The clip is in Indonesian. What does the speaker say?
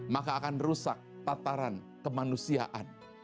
maka akan rusak tataran kemanusiaan